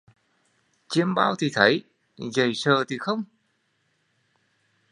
Chiêm bao thì thấy, dậy sờ thì không